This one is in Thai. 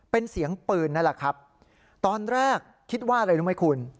เป็นเสียงปืนนั่นแหละครับตอนแรกคิดว่าอะไรรู้ไหมคุณ